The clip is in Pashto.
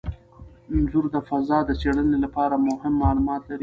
انځور د فضا د څیړنې لپاره مهم معلومات لري.